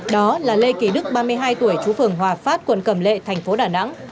đó là lê kỳ đức ba mươi hai tuổi chú phường hòa phát quận cầm lệ thành phố đà nẵng